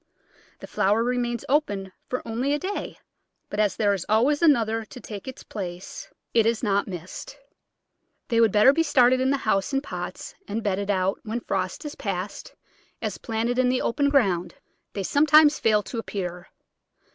The flower remains open for only a day, but as there is always another to take its place it is not missed. They would better be started in the house in pots and bedded out when frost is past, as, planted in the open ground, they sometimes fail to appear.